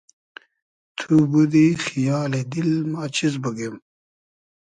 تو بودی خیالی دیل ما چیز بوگیم